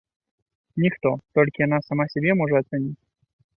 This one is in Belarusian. Ніхто, толькі яна сама сябе можа ацаніць.